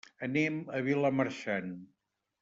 Anem a Vilamarxant.